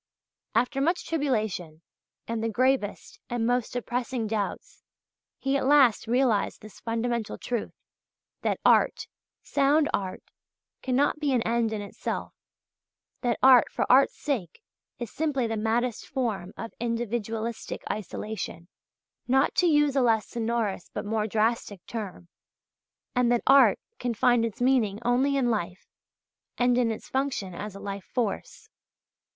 After much tribulation, and the gravest and most depressing doubts, he at last realized this fundamental truth, that art, sound art, cannot be an end in itself, that art for art's sake is simply the maddest form of individualistic isolation not to use a less sonorous but more drastic term and that art can find its meaning only in life, and in its function as a life force.